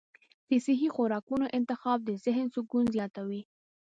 د صحي خوراکونو انتخاب د ذهن سکون زیاتوي.